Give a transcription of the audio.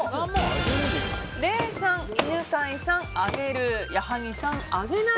礼さん、犬飼さん、あげる矢作さん、あげない。